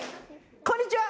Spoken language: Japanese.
こんにちは。